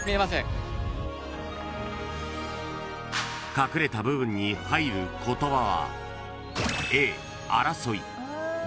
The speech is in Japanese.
［隠れた部分に入る言葉は］